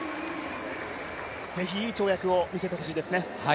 ぜひいい跳躍を見せてほしいですね。